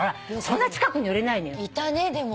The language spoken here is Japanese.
そんな近くに寄れないのよ。